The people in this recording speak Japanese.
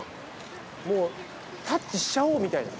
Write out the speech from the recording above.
もうタッチしちゃおうみたいな。